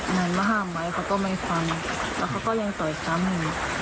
เหมือนมหามไว้เขาก็ไม่ฟังแล้วเขาก็เรียงต่ออีกสามนึง